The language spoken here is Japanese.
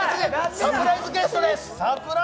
サプライズゲストです。